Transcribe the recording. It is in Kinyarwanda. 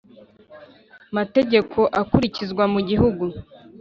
mategeko akurikizwa mu gihugu